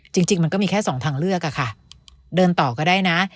จริงมันก็มีแค่สองทางเลือกอะค่ะเดินต่อก็ได้นะ